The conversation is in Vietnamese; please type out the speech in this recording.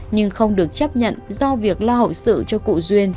nhưng không được chấp nhận do việc lo hậu sự cho cụ duyên